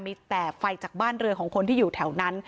มีแต่ไฟจากบ้านเรือของคนที่อยู่แถวนั้น